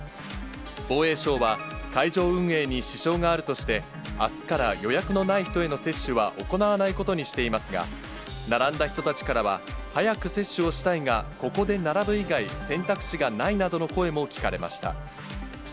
防衛省は、会場運営に支障があるとして、あすから予約のない人への接種は行わないことにしていますが、並んだ人たちからは、早く接種をしたいが、ここで並ぶ以外、選択肢がないなどの声も聞かれました。